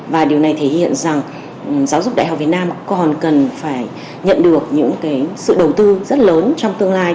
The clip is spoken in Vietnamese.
và điều này thể hiện rằng giáo dục đại học việt nam còn cần phải nhận được những sự đầu tư rất lớn trong tương lai